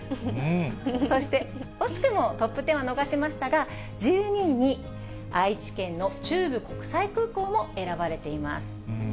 そして惜しくもトップ１０は逃しましたが、１２位に愛知県の中部国際空港も選ばれています。